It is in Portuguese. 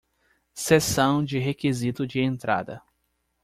Seção de requisito de entrada